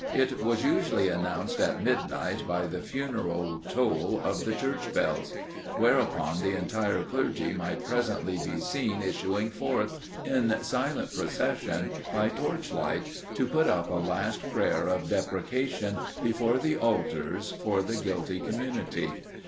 It was usually announced at midnight by the funeral toll of the church bells; whereupon the entire clergy might presently be seen issuing forth, in silent procession, by torch light, to put up a last prayer of deprecation before the altars for the guilty community.